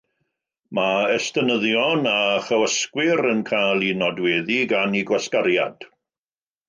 Mae estynyddion a chywasgwyr yn cael eu nodweddu gan eu gwasgariad.